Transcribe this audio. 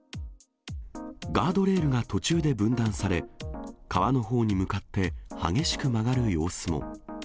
ガードレールが途中で分断され、川のほうに向かって激しく曲がる様子も。